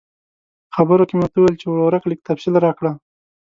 په خبرو کې مې ورته وویل چې ورورکه لږ تفصیل راکړه.